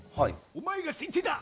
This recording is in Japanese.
「お前が先手だ！」。